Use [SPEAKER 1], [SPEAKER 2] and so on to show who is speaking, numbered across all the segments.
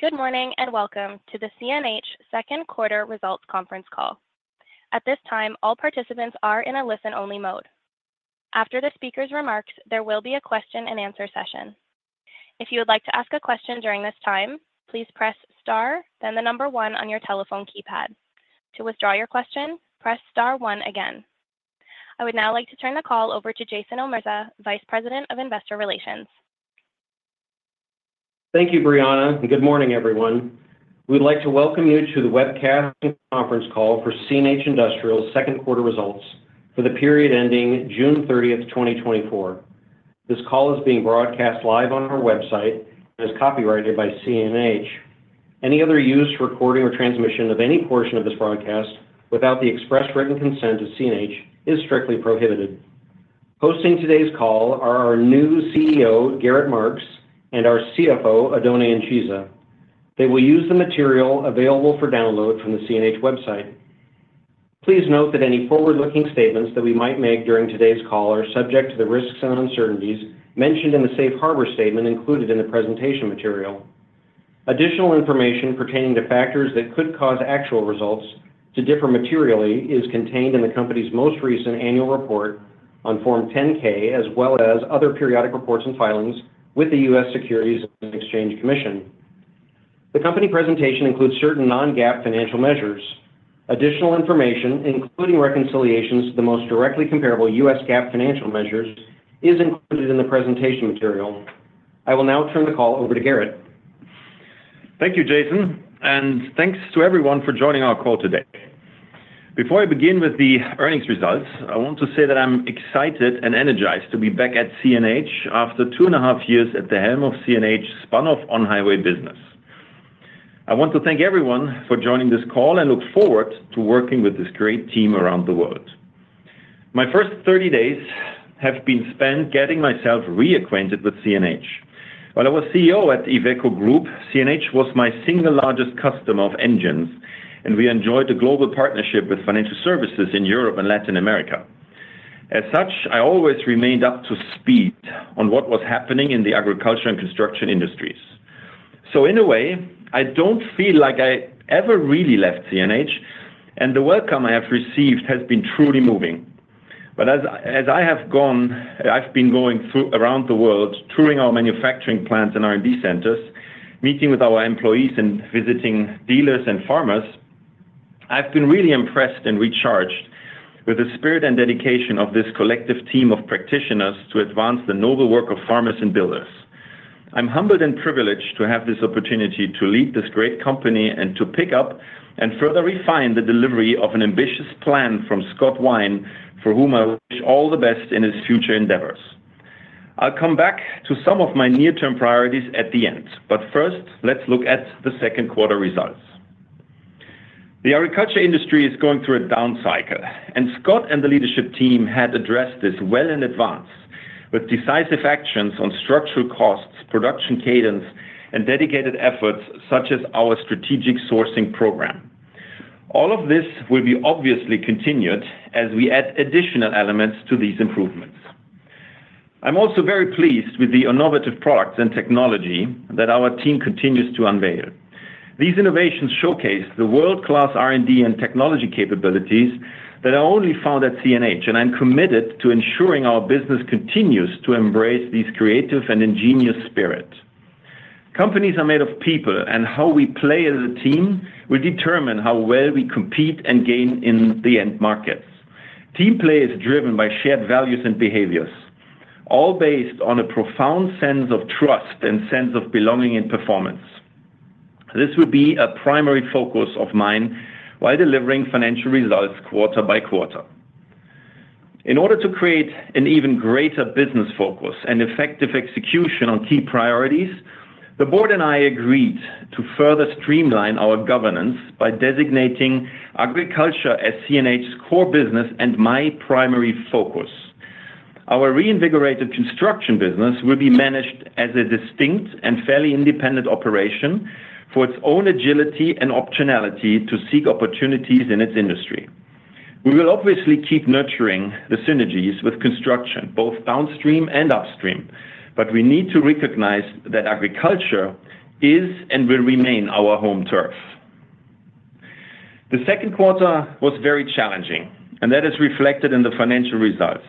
[SPEAKER 1] Good morning, and welcome to the CNH second quarter results conference call. At this time, all participants are in a listen-only mode. After the speaker's remarks, there will be a question and answer session. If you would like to ask a question during this time, please press star, then the number one on your telephone keypad. To withdraw your question, press star one again. I would now like to turn the call over to Jason Omerza, Vice President of Investor Relations.
[SPEAKER 2] Thank you, Brianna, and good morning, everyone. We'd like to welcome you to the webcast and conference call for CNH Industrial's second quarter results for the period ending June 30, 2024. This call is being broadcast live on our website and is copyrighted by CNH. Any other use, recording, or transmission of any portion of this broadcast without the express written consent of CNH is strictly prohibited. Hosting today's call are our new CEO, Gerrit Marx, and our CFO, Oddone Incisa. They will use the material available for download from the CNH website. Please note that any forward-looking statements that we might make during today's call are subject to the risks and uncertainties mentioned in the safe harbor statement included in the presentation material. Additional information pertaining to factors that could cause actual results to differ materially is contained in the company's most recent annual report on Form 10-K, as well as other periodic reports and filings with the U.S. Securities and Exchange Commission. The company presentation includes certain non-GAAP financial measures. Additional information, including reconciliations to the most directly comparable U.S. GAAP financial measures, is included in the presentation material. I will now turn the call over to Gerrit.
[SPEAKER 3] Thank you, Jason, and thanks to everyone for joining our call today. Before I begin with the earnings results, I want to say that I'm excited and energized to be back at CNH after 2.5 years at the helm of CNH's spun-off on-highway business. I want to thank everyone for joining this call and look forward to working with this great team around the world. My first 30 days have been spent getting myself reacquainted with CNH. While I was CEO at Iveco Group, CNH was my single largest customer of engines, and we enjoyed a global partnership with financial services in Europe and Latin America. As such, I always remained up to speed on what was happening in the agriculture and construction industries. So in a way, I don't feel like I ever really left CNH, and the welcome I have received has been truly moving. But as I have gone, I've been going around the world, touring our manufacturing plants and R&D centers, meeting with our employees and visiting dealers and farmers, I've been really impressed and recharged with the spirit and dedication of this collective team of practitioners to advance the noble work of farmers and builders. I'm humbled and privileged to have this opportunity to lead this great company and to pick up and further refine the delivery of an ambitious plan from Scott Wine, for whom I wish all the best in his future endeavors. I'll come back to some of my near-term priorities at the end. But first, let's look at the second quarter results. The agriculture industry is going through a down cycle, and Scott and the leadership team had addressed this well in advance with decisive actions on structural costs, production cadence, and dedicated efforts such as our strategic sourcing program. All of this will be obviously continued as we add additional elements to these improvements. I'm also very pleased with the innovative products and technology that our team continues to unveil. These innovations showcase the world-class R&D and technology capabilities that are only found at CNH, and I'm committed to ensuring our business continues to embrace these creative and ingenious spirit. Companies are made of people, and how we play as a team will determine how well we compete and gain in the end markets. Team play is driven by shared values and behaviors, all based on a profound sense of trust and sense of belonging and performance. This will be a primary focus of mine while delivering financial results quarter by quarter. In order to create an even greater business focus and effective execution on key priorities, the board and I agreed to further streamline our governance by designating agriculture as CNH's core business and my primary focus. Our reinvigorated construction business will be managed as a distinct and fairly independent operation for its own agility and optionality to seek opportunities in its industry. We will obviously keep nurturing the synergies with construction, both downstream and upstream, but we need to recognize that agriculture is and will remain our home turf. The second quarter was very challenging, and that is reflected in the financial results.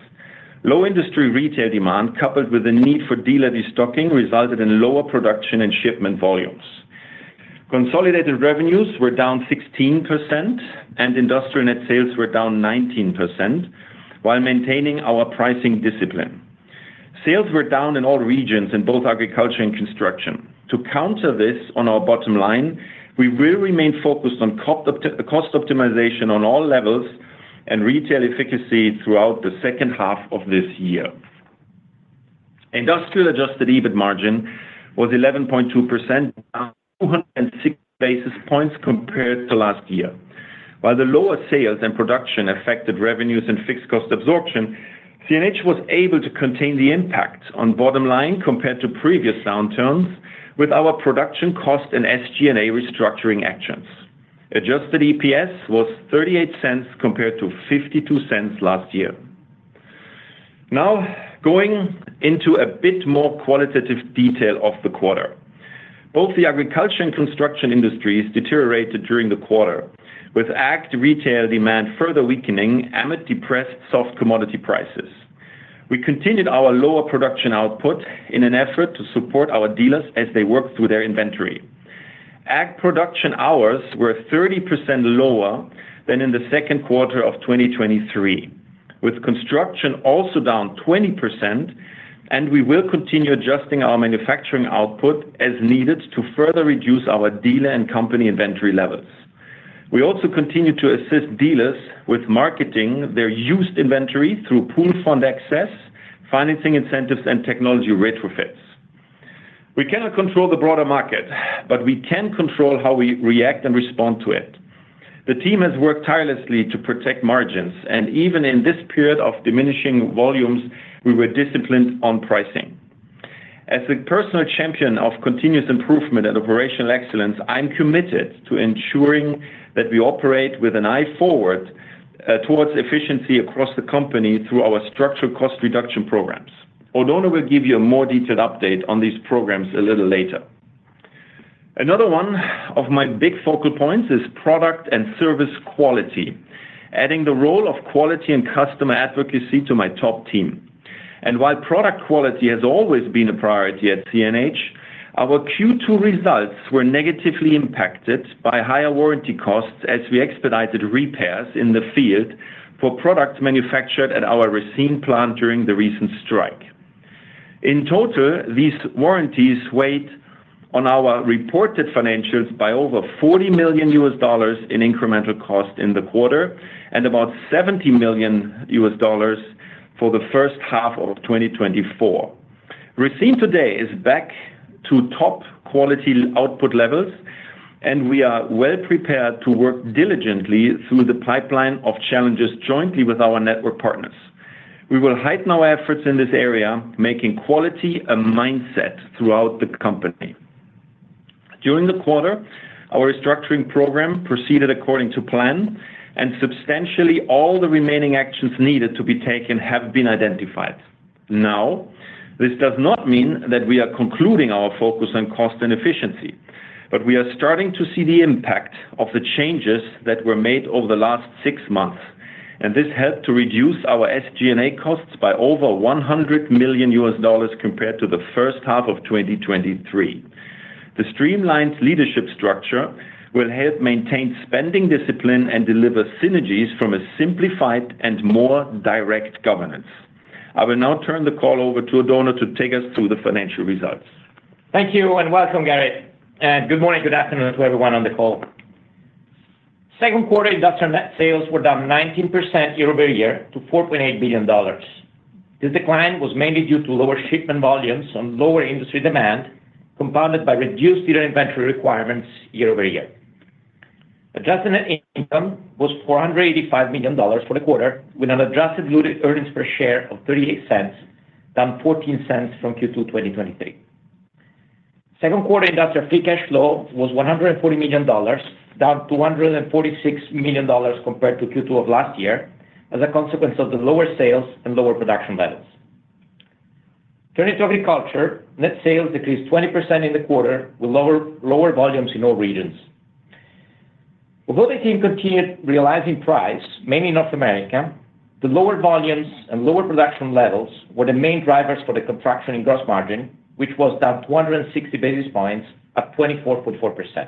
[SPEAKER 3] Low industry retail demand, coupled with the need for dealer restocking, resulted in lower production and shipment volumes. Consolidated revenues were down 16%, and industrial net sales were down 19%, while maintaining our pricing discipline. Sales were down in all regions in both agriculture and construction. To counter this on our bottom line, we will remain focused on cost optimization on all levels and retail efficacy throughout the second half of this year. Industrial adjusted EBIT margin was 11.2%, down 206 basis points compared to last year. While the lower sales and production affected revenues and fixed cost absorption, CNH was able to contain the impact on bottom line compared to previous downturns with our production cost and SG&A restructuring actions. Adjusted EPS was $0.38 compared to $0.52 last year. Now, going into a bit more qualitative detail of the quarter. Both the agriculture and construction industries deteriorated during the quarter, with ag retail demand further weakening amid depressed soft commodity prices. We continued our lower production output in an effort to support our dealers as they work through their inventory. Ag production hours were 30% lower than in the second quarter of 2023, with construction also down 20%, and we will continue adjusting our manufacturing output as needed to further reduce our dealer and company inventory levels. We also continue to assist dealers with marketing their used inventory through pool fund access, financing incentives, and technology retrofits. We cannot control the broader market, but we can control how we react and respond to it. The team has worked tirelessly to protect margins, and even in this period of diminishing volumes, we were disciplined on pricing. As a personal champion of continuous improvement and operational excellence, I'm committed to ensuring that we operate with an eye forward, towards efficiency across the company through our structural cost reduction programs. Oddone will give you a more detailed update on these programs a little later. Another one of my big focal points is product and service quality, adding the role of quality and customer advocacy to my top team. And while product quality has always been a priority at CNH, our Q2 results were negatively impacted by higher warranty costs as we expedited repairs in the field for products manufactured at our Racine plant during the recent strike. In total, these warranties weighed on our reported financials by over $40 million in incremental cost in the quarter, and about $70 million for the first half of 2024. Racine today is back to top quality output levels, and we are well-prepared to work diligently through the pipeline of challenges jointly with our network partners. We will heighten our efforts in this area, making quality a mindset throughout the company. During the quarter, our restructuring program proceeded according to plan, and substantially all the remaining actions needed to be taken have been identified. Now, this does not mean that we are concluding our focus on cost and efficiency, but we are starting to see the impact of the changes that were made over the last six months, and this helped to reduce our SG&A costs by over $100 million compared to the first half of 2023. The streamlined leadership structure will help maintain spending discipline and deliver synergies from a simplified and more direct governance. I will now turn the call over to Oddone to take us through the financial results.
[SPEAKER 4] Thank you, and welcome, Gerrit. Good morning, good afternoon to everyone on the call. Second quarter industrial net sales were down 19% year-over-year to $4.8 billion. This decline was mainly due to lower shipment volumes on lower industry demand, compounded by reduced dealer inventory requirements year-over-year. Adjusted net income was $485 million for the quarter, with an adjusted diluted earnings per share of $0.38, down $0.14 from Q2 2023. Second quarter industrial free cash flow was $140 million, down to $246 million compared to Q2 of last year, as a consequence of the lower sales and lower production levels. Turning to agriculture, net sales decreased 20% in the quarter, with lower volumes in all regions. Although the team continued realizing price, mainly in North America, the lower volumes and lower production levels were the main drivers for the contraction in gross margin, which was down 260 basis points at 24.4%.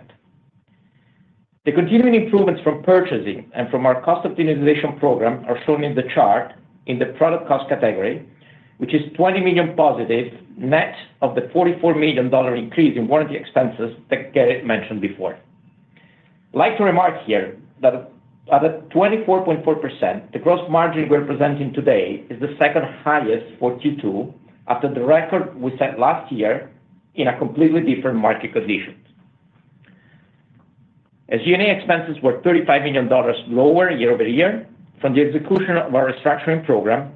[SPEAKER 4] The continuing improvements from purchasing and from our cost optimization program are shown in the chart in the product cost category, which is $20 million positive, net of the $44 million increase in warranty expenses that Gerrit mentioned before. I'd like to remark here that at a 24.4%, the gross margin we're presenting today is the second highest for Q2 after the record we set last year in a completely different market conditions. SG&A expenses were $35 million lower year-over-year from the execution of our restructuring program,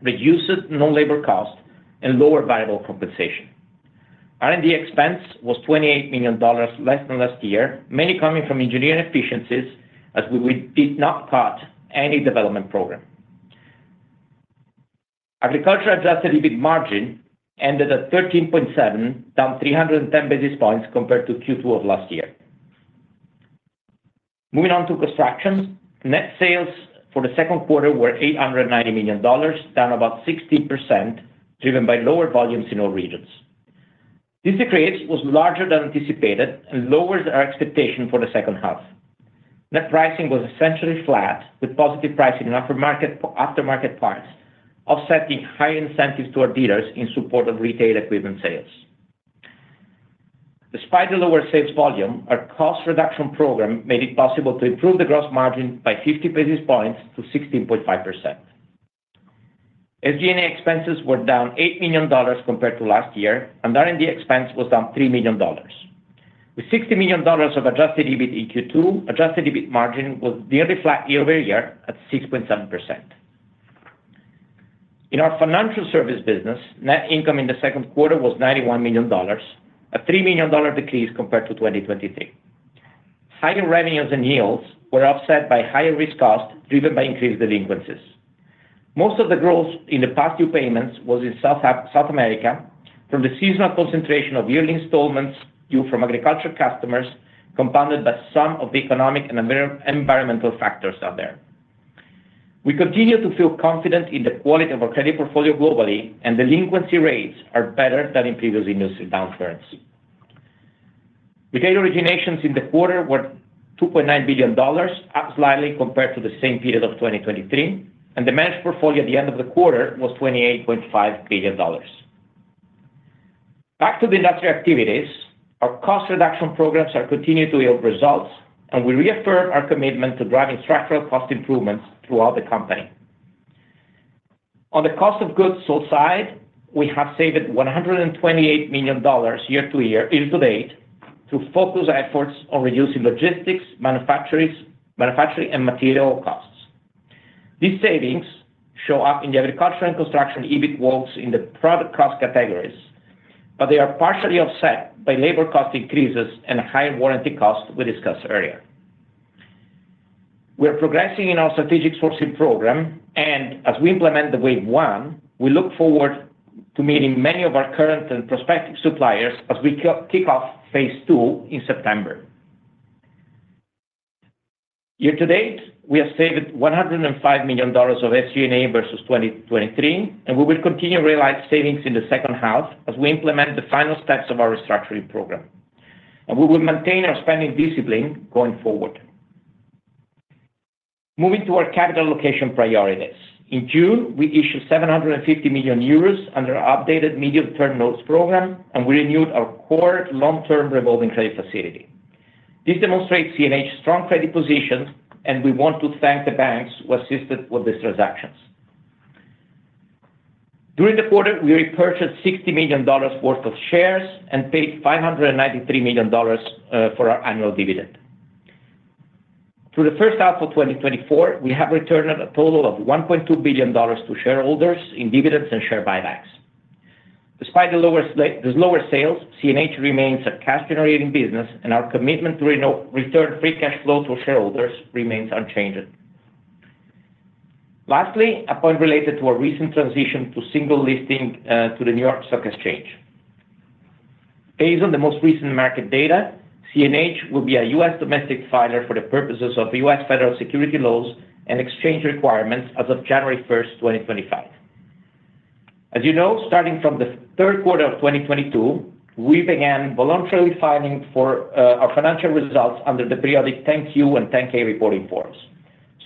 [SPEAKER 4] reduces non-labor costs and lower variable compensation. R&D expense was $28 million less than last year, mainly coming from engineering efficiencies as we did not cut any development program. Agriculture-adjusted EBIT margin ended at 13.7, down 310 basis points compared to Q2 of last year. Moving on to construction. Net sales for the second quarter were $890 million, down about 60%, driven by lower volumes in all regions. This decrease was larger than anticipated and lowers our expectation for the second half. Net pricing was essentially flat, with positive pricing in aftermarket parts, offsetting higher incentives to our dealers in support of retail equipment sales. Despite the lower sales volume, our cost reduction program made it possible to improve the gross margin by 50 basis points to 16.5%. SG&A expenses were down $8 million compared to last year, and R&D expense was down $3 million. With $60 million of adjusted EBIT in Q2, adjusted EBIT margin was nearly flat year-over-year at 6.7%. In our financial service business, net income in the second quarter was $91 million, a $3 million decrease compared to 2023. Higher revenues and yields were offset by higher risk costs, driven by increased delinquencies. Most of the growth in the past due payments was in South America from the seasonal concentration of yearly installments due from agriculture customers, compounded by some of the economic and environmental factors out there. We continue to feel confident in the quality of our credit portfolio globally, and delinquency rates are better than in previous industry downturns. We get originations in the quarter were $2.9 billion, up slightly compared to the same period of 2023, and the managed portfolio at the end of the quarter was $28.5 billion. Back to the industrial activities. Our cost reduction programs are continuing to yield results, and we reaffirm our commitment to driving structural cost improvements throughout the company. On the cost of goods sold side, we have saved $128 million year-to-year, year-to-date, to focus efforts on reducing logistics, manufacturing, and material costs. These savings show up in the agriculture and construction EBIT walks in the product cost categories, but they are partially offset by labor cost increases and higher warranty costs we discussed earlier. We are progressing in our strategic sourcing program, and as we implement the wave one, we look forward to meeting many of our current and prospective suppliers as we kick off phase two in September. Year to date, we have saved $105 million of SG&A versus 2023, and we will continue to realize savings in the second half as we implement the final steps of our restructuring program. And we will maintain our spending discipline going forward. Moving to our capital allocation priorities. In June, we issued 750 million euros under our updated medium-term notes program, and we renewed our core long-term revolving credit facility. This demonstrates CNH's strong credit position, and we want to thank the banks who assisted with these transactions. During the quarter, we repurchased $60 million worth of shares and paid $593 million for our annual dividend. Through the first half of 2024, we have returned a total of $1.2 billion to shareholders in dividends and share buybacks. Despite the lower sales, CNH remains a cash-generating business, and our commitment to return free cash flow to shareholders remains unchanged. Lastly, a point related to our recent transition to single listing to the New York Stock Exchange. Based on the most recent market data, CNH will be a U.S. domestic filer for the purposes of U.S. federal securities laws and exchange requirements as of January 1, 2025. As you know, starting from the third quarter of 2022, we began voluntarily filing for our financial results under the periodic 10-Q and 10-K reporting forms.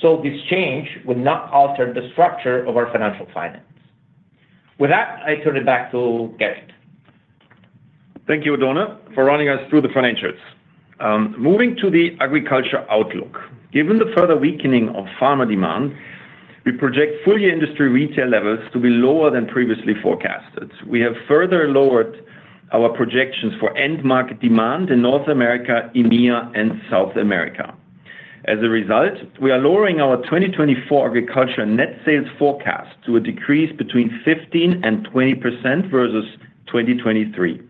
[SPEAKER 4] So this change will not alter the structure of our financial filings. With that, I turn it back to Gerrit.
[SPEAKER 3] Thank you, Oddone, for running us through the financials. Moving to the agriculture outlook. Given the further weakening of farmer demand, we project full year industry retail levels to be lower than previously forecasted. We have further lowered our projections for end market demand in North America, EMEA, and South America. As a result, we are lowering our 2024 agriculture net sales forecast to a decrease between 15% and 20% versus 2023.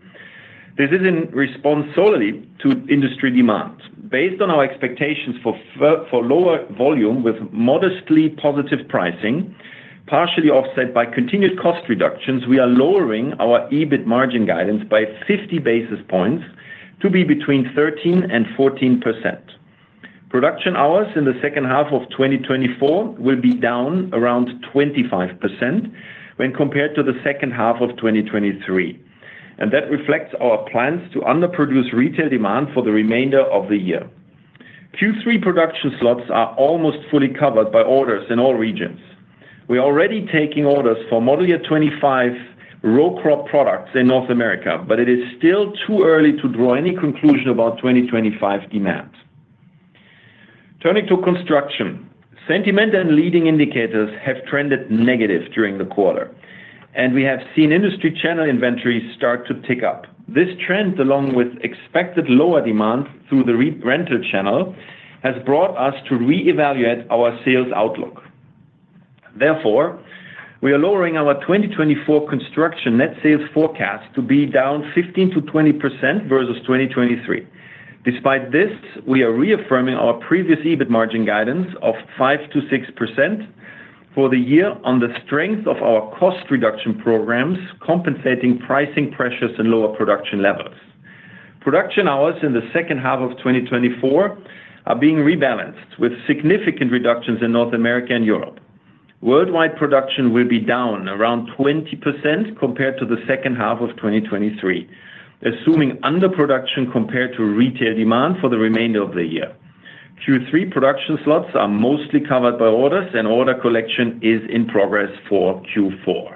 [SPEAKER 3] This is in response solely to industry demand. Based on our expectations for for lower volume with modestly positive pricing, partially offset by continued cost reductions, we are lowering our EBIT margin guidance by 50 basis points to be between 13% and 14%. Production hours in the second half of 2024 will be down around 25% when compared to the second half of 2023, and that reflects our plans to underproduce retail demand for the remainder of the year. Q3 production slots are almost fully covered by orders in all regions. We are already taking orders for model year 2025 row crop products in North America, but it is still too early to draw any conclusion about 2025 demand. Turning to construction. Sentiment and leading indicators have trended negative during the quarter, and we have seen industry channel inventories start to tick up. This trend, along with expected lower demand through the re-rental channel, has brought us to reevaluate our sales outlook. Therefore, we are lowering our 2024 construction net sales forecast to be down 15%-20% versus 2023. Despite this, we are reaffirming our previous EBIT margin guidance of 5%-6% for the year on the strength of our cost reduction programs, compensating pricing pressures and lower production levels. Production hours in the second half of 2024 are being rebalanced, with significant reductions in North America and Europe. Worldwide production will be down around 20% compared to the second half of 2023, assuming underproduction compared to retail demand for the remainder of the year. Q3 production slots are mostly covered by orders, and order collection is in progress for Q4.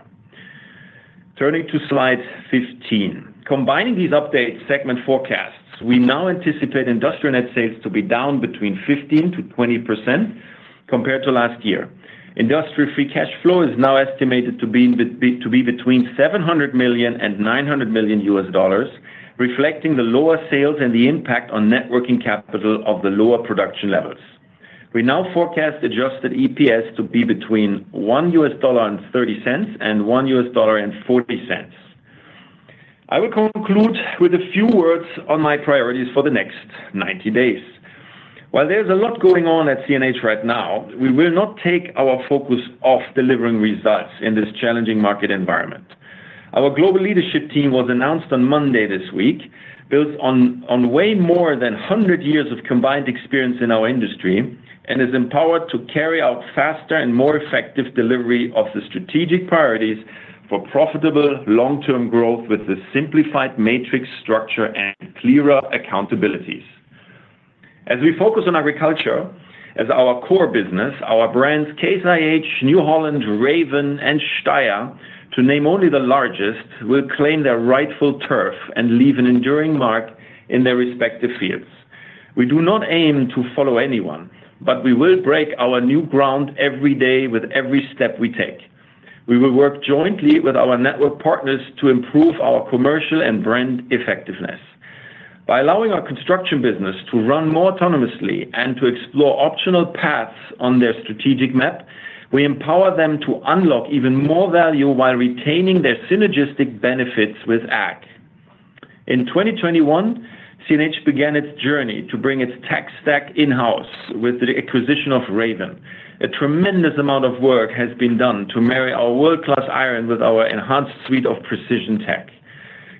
[SPEAKER 3] Turning to Slide 15. Combining these updates segment forecasts, we now anticipate industrial net sales to be down between 15%-20% compared to last year. Industrial free cash flow is now estimated to be between $700 million and $900 million, reflecting the lower sales and the impact on net working capital of the lower production levels. We now forecast adjusted EPS to be between $1.30 and $1.40.... I will conclude with a few words on my priorities for the next 90 days. While there's a lot going on at CNH right now, we will not take our focus off delivering results in this challenging market environment. Our global leadership team was announced on Monday this week, built on way more than 100 years of combined experience in our industry, and is empowered to carry out faster and more effective delivery of the strategic priorities for profitable long-term growth with a simplified matrix structure and clearer accountabilities. As we focus on agriculture as our core business, our brands, Case IH, New Holland, Raven, and STEYR, to name only the largest, will claim their rightful turf and leave an enduring mark in their respective fields. We do not aim to follow anyone, but we will break our new ground every day with every step we take. We will work jointly with our network partners to improve our commercial and brand effectiveness. By allowing our construction business to run more autonomously and to explore optional paths on their strategic map, we empower them to unlock even more value while retaining their synergistic benefits with Ag. In 2021, CNH began its journey to bring its tech stack in-house with the acquisition of Raven. A tremendous amount of work has been done to marry our world-class iron with our enhanced suite of precision tech.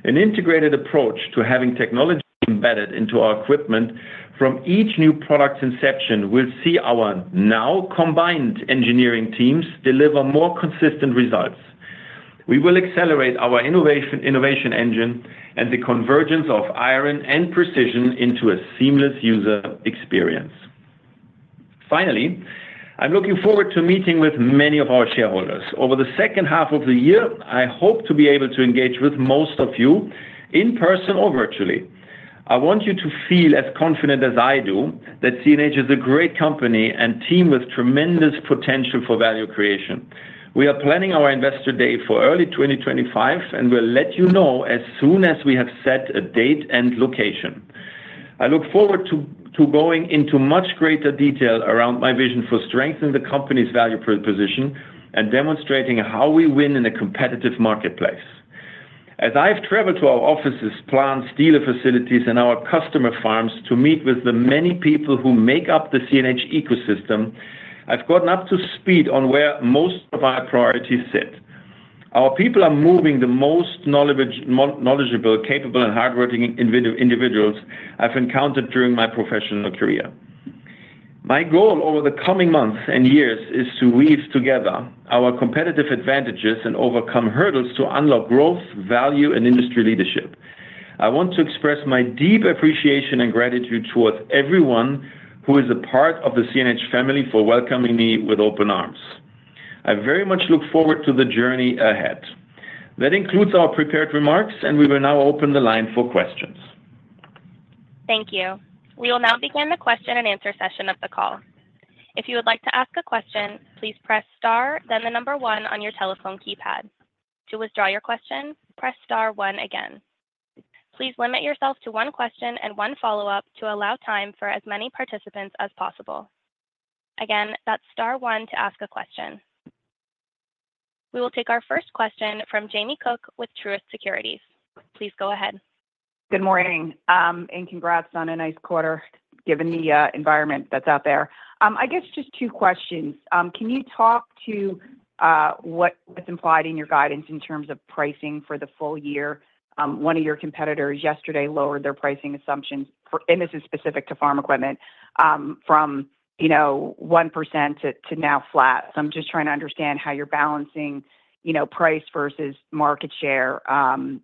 [SPEAKER 3] An integrated approach to having technology embedded into our equipment from each new product inception will see our now combined engineering teams deliver more consistent results. We will accelerate our innovation, innovation engine and the convergence of iron and precision into a seamless user experience. Finally, I'm looking forward to meeting with many of our shareholders. Over the second half of the year, I hope to be able to engage with most of you in person or virtually. I want you to feel as confident as I do that CNH is a great company and team with tremendous potential for value creation. We are planning our investor day for early 2025, and we'll let you know as soon as we have set a date and location. I look forward to going into much greater detail around my vision for strengthening the company's value proposition and demonstrating how we win in a competitive marketplace. As I've traveled to our offices, plants, dealer facilities, and our customer farms to meet with the many people who make up the CNH ecosystem, I've gotten up to speed on where most of our priorities sit. Our people are among the most knowledgeable, capable, and hardworking individuals I've encountered during my professional career. My goal over the coming months and years is to weave together our competitive advantages and overcome hurdles to unlock growth, value, and industry leadership. I want to express my deep appreciation and gratitude towards everyone who is a part of the CNH family for welcoming me with open arms. I very much look forward to the journey ahead. That includes our prepared remarks, and we will now open the line for questions.
[SPEAKER 1] Thank you. We will now begin the question-and-answer session of the call. If you would like to ask a question, please press star, then the number one on your telephone keypad. To withdraw your question, press star one again. Please limit yourself to one question and one follow-up to allow time for as many participants as possible. Again, that's star one to ask a question. We will take our first question from Jamie Cook with Truist Securities. Please go ahead.
[SPEAKER 5] Good morning, and congrats on a nice quarter, given the environment that's out there. I guess just two questions. Can you talk to what's implied in your guidance in terms of pricing for the full year? One of your competitors yesterday lowered their pricing assumptions for—and this is specific to farm equipment, from you know 1% to now flat. So I'm just trying to understand how you're balancing you know price versus market share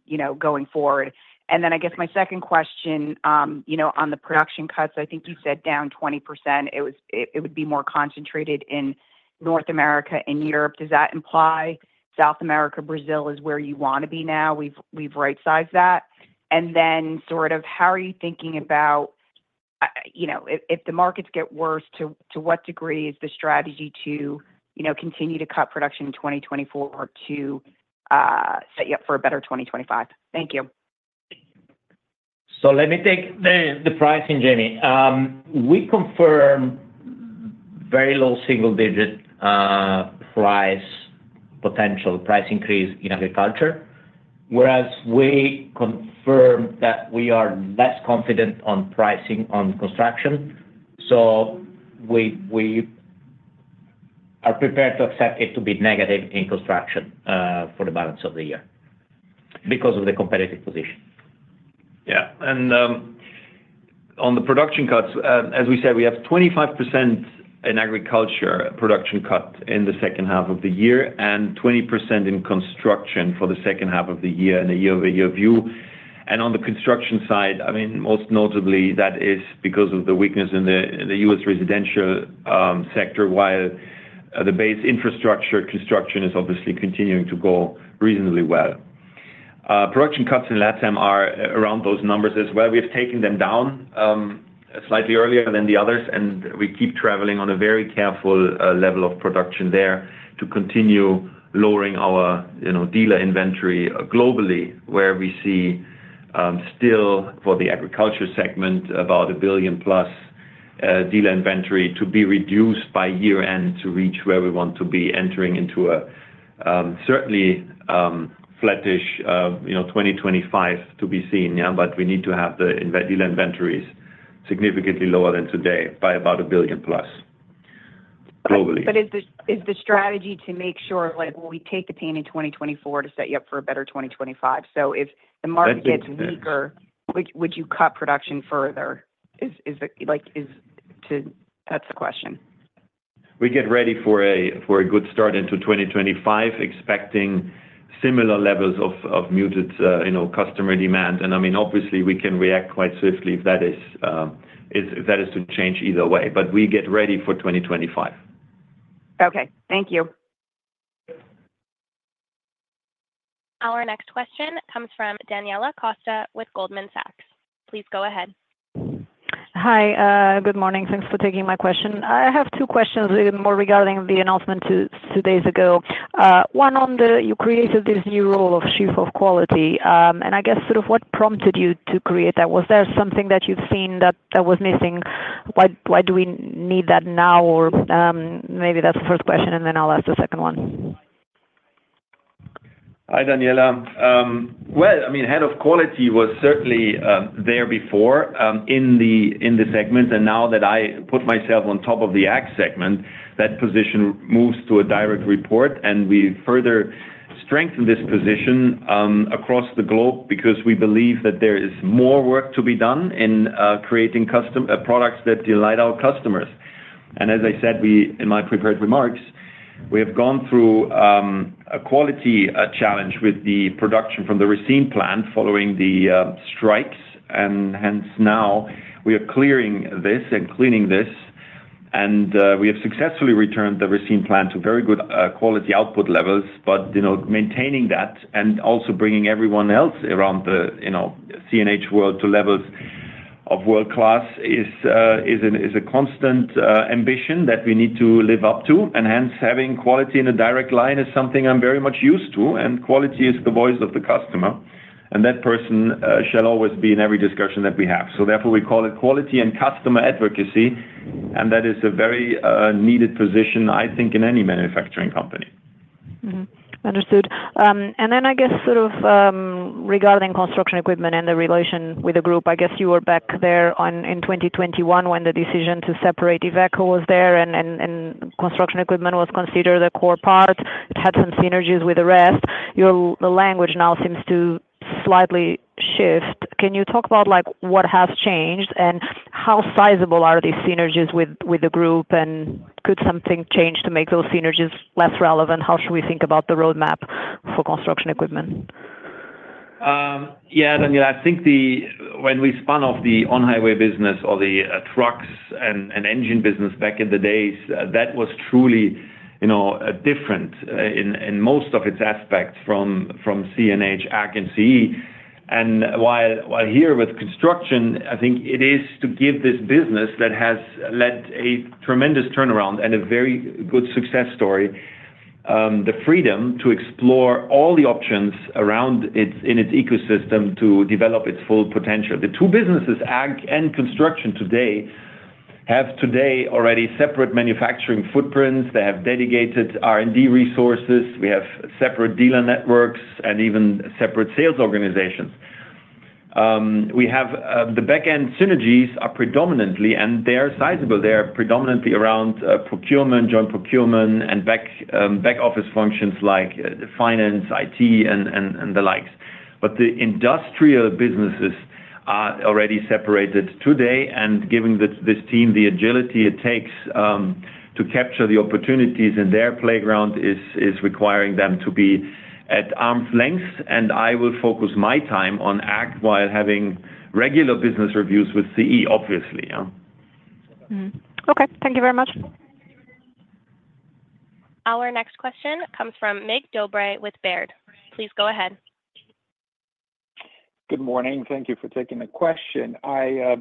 [SPEAKER 5] you know going forward. And then I guess my second question, you know on the production cuts, I think you said down 20%, it would be more concentrated in North America and Europe. Does that imply South America, Brazil, is where you wanna be now? We've we've right-sized that. And then sort of how are you thinking about, you know, if the markets get worse, to what degree is the strategy to, you know, continue to cut production in 2024 to set you up for a better 2025? Thank you.
[SPEAKER 4] So let me take the pricing, Jamie. We confirm very low single digit price potential price increase in agriculture, whereas we confirm that we are less confident on pricing on construction. So we are prepared to accept it to be negative in construction for the balance of the year because of the competitive position.
[SPEAKER 3] Yeah, and on the production cuts, as we said, we have 25% in agriculture production cut in the second half of the year, and 20% in construction for the second half of the year and a year-over-year view. On the construction side, I mean, most notably, that is because of the weakness in the U.S. residential sector, while the base infrastructure construction is obviously continuing to go reasonably well. Production cuts in LatAm are around those numbers as well. We've taken them down slightly earlier than the others, and we keep traveling on a very careful level of production there to continue lowering our, you know, dealer inventory globally, where we see still, for the agriculture segment, about $1 billion-plus... Dealer inventory to be reduced by year-end to reach where we want to be entering into a certainly flattish, you know, 2025 to be seen, yeah, but we need to have the dealer inventories significantly lower than today by about $1 billion plus globally.
[SPEAKER 5] But is the strategy to make sure, like, will we take the team in 2024 to set you up for a better 2025? So if the market- I think yes. gets weaker, would you cut production further? Is it, like... That's the question.
[SPEAKER 3] We get ready for a good start into 2025, expecting similar levels of muted, you know, customer demand. And I mean, obviously, we can react quite swiftly if that is to change either way. But we get ready for 2025.
[SPEAKER 5] Okay. Thank you.
[SPEAKER 1] Our next question comes from Daniela Costa with Goldman Sachs. Please go ahead.
[SPEAKER 6] Hi, good morning. Thanks for taking my question. I have two questions, more regarding the announcement two days ago. One, on the you created this new role of chief of quality. And I guess, sort of what prompted you to create that? Was there something that you've seen that was missing? Why do we need that now? Or, maybe that's the first question, and then I'll ask the second one.
[SPEAKER 3] Hi, Daniela. Well, I mean, head of quality was certainly there before, in the segment, and now that I put myself on top of the ag segment, that position moves to a direct report, and we further strengthen this position across the globe, because we believe that there is more work to be done in creating custom products that delight our customers. And as I said, we, in my prepared remarks, we have gone through a quality challenge with the production from the Racine plant following the strikes, and hence now we are clearing this and cleaning this. We have successfully returned the Racine plant to very good quality output levels, but you know, maintaining that and also bringing everyone else around the, you know, CNH world to levels of world-class is a constant ambition that we need to live up to. Hence, having quality in a direct line is something I'm very much used to, and quality is the voice of the customer, and that person shall always be in every discussion that we have. Therefore, we call it quality and customer advocacy, and that is a very needed position, I think, in any manufacturing company.
[SPEAKER 6] Understood. And then I guess sort of regarding construction equipment and the relation with the group, I guess you were back there on, in 2021 when the decision to separate Iveco was there and Construction Equipment was considered a core part. It had some synergies with the rest. The language now seems to slightly shift. Can you talk about, like, what has changed, and how sizable are these synergies with the group? And could something change to make those synergies less relevant? How should we think about the roadmap for Construction Equipment?
[SPEAKER 3] Yeah, Daniela, I think when we spun off the on-highway business or the trucks and engine business back in the days, that was truly, you know, different in most of its aspects from CNH Ag and CE. And while here with construction, I think it is to give this business that has led a tremendous turnaround and a very good success story, the freedom to explore all the options around its in its ecosystem to develop its full potential. The two businesses, Ag and Construction today, have today already separate manufacturing footprints. They have dedicated R&D resources. We have separate dealer networks and even separate sales organizations. We have the backend synergies are predominantly, and they are sizable, they are predominantly around procurement, joint procurement, and back office functions like finance, IT, and the likes. But the industrial businesses are already separated today, and giving this team the agility it takes to capture the opportunities in their playground is requiring them to be at arm's length, and I will focus my time on Ag while having regular business reviews with CE, obviously, yeah.
[SPEAKER 6] Mm-hmm. Okay. Thank you very much.
[SPEAKER 1] Our next question comes from Mig Dobre with Baird. Please go ahead.
[SPEAKER 7] Good morning. Thank you for taking the question. I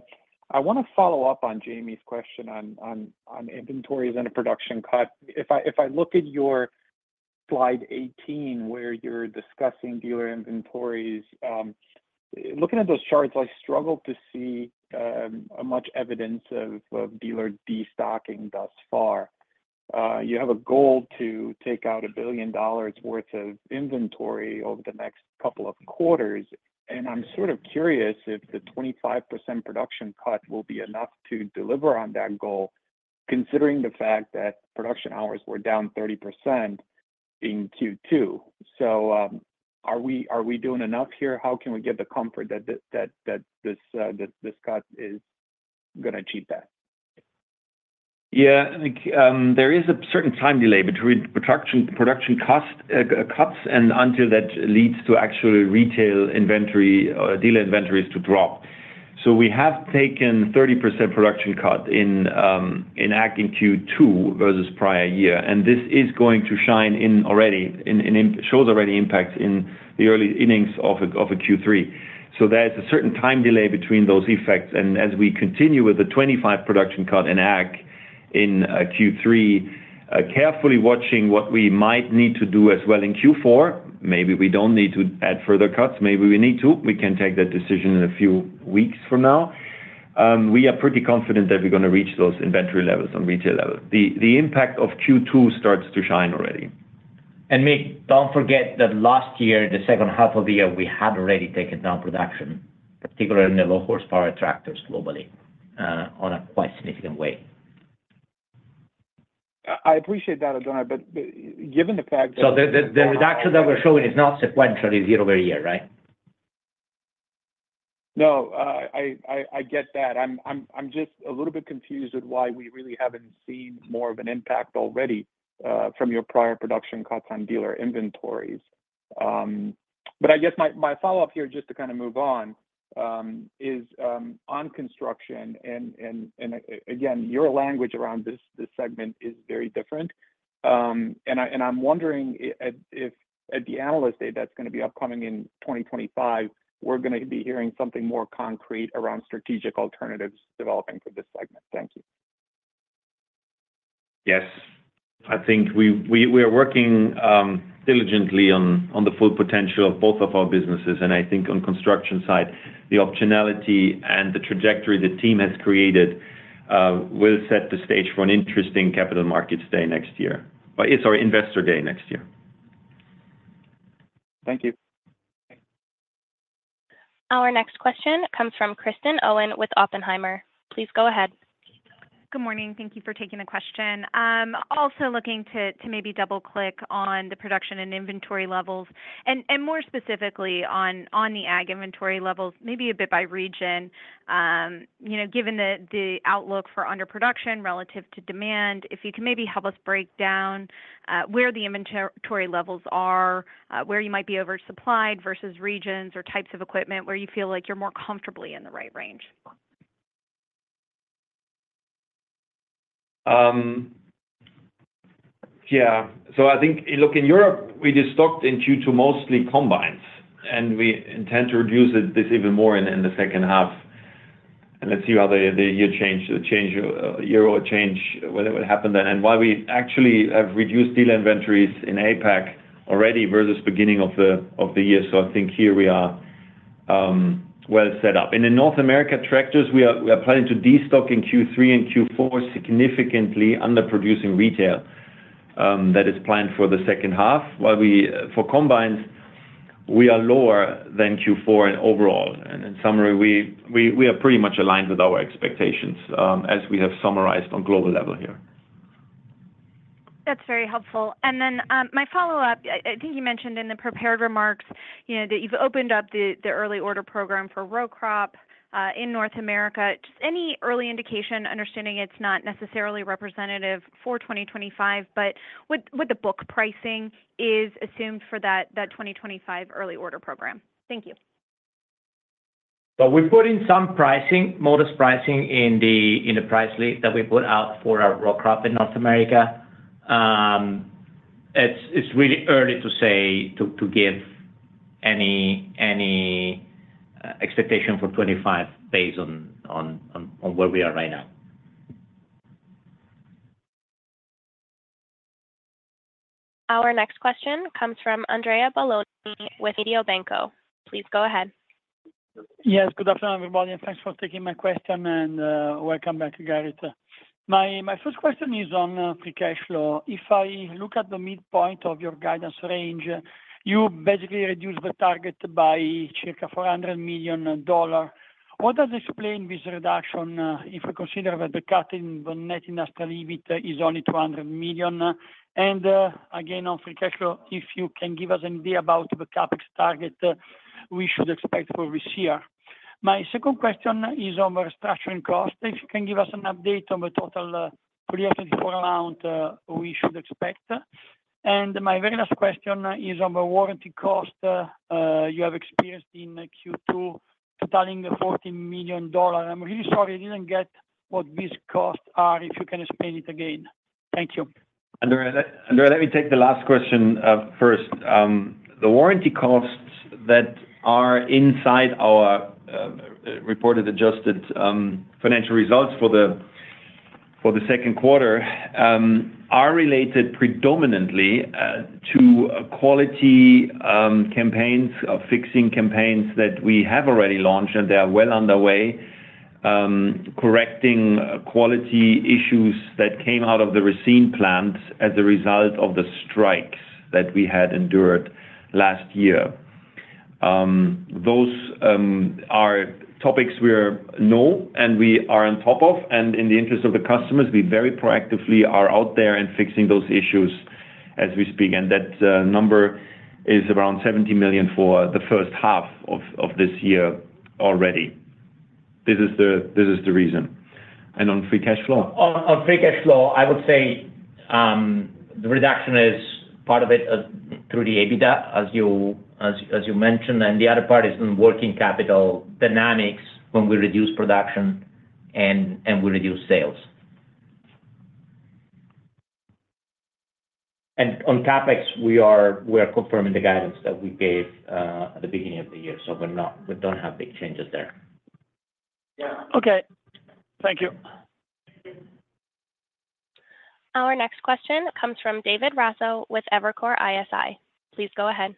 [SPEAKER 7] want to follow up on Jamie's question on inventories and a production cut. If I look at your slide 18, where you're discussing dealer inventories, looking at those charts, I struggle to see much evidence of dealer destocking thus far. You have a goal to take out $1 billion worth of inventory over the next couple of quarters, and I'm sort of curious if the 25% production cut will be enough to deliver on that goal, considering the fact that production hours were down 30% in Q2. So, are we doing enough here? How can we get the comfort that this cut is gonna achieve that?
[SPEAKER 3] Yeah. I think there is a certain time delay between production cost cuts and until that leads to actual retail inventory or dealer inventories to drop. So we have taken 30% production cut in Ag in Q2 versus prior year, and this is going to shine in already, and it shows already impacts in the early innings of a Q3. So there is a certain time delay between those effects, and as we continue with the 25 production cut in Ag in Q3, carefully watching what we might need to do as well in Q4. Maybe we don't need to add further cuts, maybe we need to. We can take that decision in a few weeks from now. We are pretty confident that we're gonna reach those inventory levels on retail level. The impact of Q2 starts to shine already.
[SPEAKER 4] Mick, don't forget that last year, the second half of the year, we had already taken down production, particularly in the low-horsepower tractors globally, on a quite significant way.
[SPEAKER 7] I appreciate that, Oddone, but given the fact that-
[SPEAKER 4] So the reduction that we're showing is not sequentially year-over-year, right?
[SPEAKER 7] No, I get that. I'm just a little bit confused at why we really haven't seen more of an impact already from your prior production cuts on dealer inventories. But I guess my follow-up here, just to kind of move on, is on construction and again, your language around this segment is very different. And I'm wondering if at the analyst day that's gonna be upcoming in 2025, we're gonna be hearing something more concrete around strategic alternatives developing for this segment. Thank you.
[SPEAKER 3] Yes. I think we are working diligently on the full potential of both of our businesses, and I think on construction side, the optionality and the trajectory the team has created will set the stage for an interesting capital markets day next year. But it's our investor day next year.
[SPEAKER 7] Thank you.
[SPEAKER 1] Our next question comes from Kristin Owen with Oppenheimer. Please go ahead.
[SPEAKER 8] Good morning. Thank you for taking the question. Also looking to maybe double-click on the production and inventory levels, and more specifically, on the ag inventory levels, maybe a bit by region. You know, given the outlook for underproduction relative to demand, if you can maybe help us break down where the inventory levels are, where you might be oversupplied versus regions or types of equipment, where you feel like you're more comfortably in the right range?
[SPEAKER 3] Yeah. So I think, look, in Europe, we just destocked in Q2 mostly combines, and we intend to reduce it this even more in the second half. And let's see how the year-over-year change whether it will happen then, and while we actually have reduced dealer inventories in APAC already versus beginning of the year. So I think here we are well set up. And in North America tractors, we are planning to destock in Q3 and Q4, significantly under producing retail that is planned for the second half. While, for combines, we are lower than Q4 and overall. And in summary, we are pretty much aligned with our expectations as we have summarized on global level here.
[SPEAKER 8] That's very helpful. Then, my follow-up, I think you mentioned in the prepared remarks, you know, that you've opened up the early order program for row crop in North America. Just any early indication, understanding it's not necessarily representative for 2025, but what the book pricing is assumed for that 2025 early order program? Thank you.
[SPEAKER 4] Well, we've put in some pricing, modest pricing in the price list that we put out for our row crop in North America. It's really early to say to give any expectation for 2025 based on where we are right now.
[SPEAKER 1] Our next question comes from Andrea Balloni with Mediobanca. Please go ahead.
[SPEAKER 9] Yes, good afternoon, everybody, and thanks for taking my question, and welcome back, Gerrit. My, my first question is on free cash flow. If I look at the midpoint of your guidance range, you basically reduce the target by circa $400 million. What does explain this reduction, if we consider that the cut in the net industrial EBITDA is only $200 million? And, again, on free cash flow, if you can give us an idea about the CapEx target we should expect for this year. My second question is on restructuring cost. If you can give us an update on the total pre-tax amount we should expect. And my very last question is on the warranty cost you have experienced in Q2, totaling $14 million. I'm really sorry, I didn't get what these costs are, if you can explain it again. Thank you.
[SPEAKER 3] Andrea, Andrea, let me take the last question first. The warranty costs that are inside our reported adjusted financial results for the second quarter are related predominantly to quality campaigns, fixing campaigns that we have already launched, and they are well underway, correcting quality issues that came out of the Racine plant as a result of the strikes that we had endured last year. Those are topics we know and we are on top of, and in the interest of the customers, we very proactively are out there and fixing those issues as we speak, and that number is around $70 million for the first half of this year already. This is the reason. And on free cash flow?
[SPEAKER 4] On free cash flow, I would say the reduction is part of it through the EBITDA, as you mentioned, and the other part is in working capital dynamics when we reduce production and we reduce sales....
[SPEAKER 3] And on CapEx, we are confirming the guidance that we gave at the beginning of the year. So we don't have big changes there.
[SPEAKER 10] Yeah.
[SPEAKER 7] Okay. Thank you.
[SPEAKER 1] Our next question comes from David Raso with Evercore ISI. Please go ahead.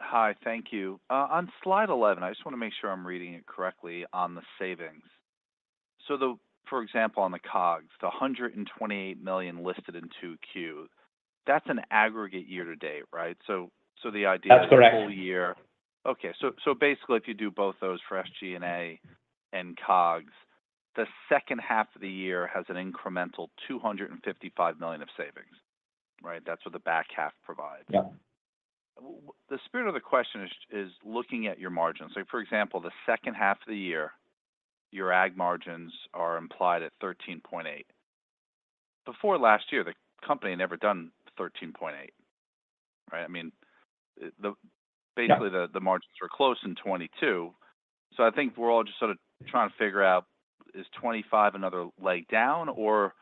[SPEAKER 11] Hi, thank you. On slide 11, I just wanna make sure I'm reading it correctly on the savings. So the—for example, on the COGS, the $120 million listed in 2Q, that's an aggregate year to date, right? So the idea-
[SPEAKER 3] That's correct.
[SPEAKER 11] -the whole year. Okay, so, so basically, if you do both those for SG&A and COGS, the second half of the year has an incremental $255 million of savings, right? That's what the back half provides.
[SPEAKER 3] Yeah.
[SPEAKER 11] The spirit of the question is, is looking at your margins. So for example, the second half of the year, your Ag margins are implied at 13.8%. Before last year, the company had never done 13.8%, right? I mean, the-
[SPEAKER 3] Yeah.
[SPEAKER 11] Basically, the margins were close in 2022. So I think we're all just sort of trying to figure out, is 2025 another leg down, or